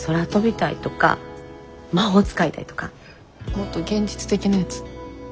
もっと現実的なやつ。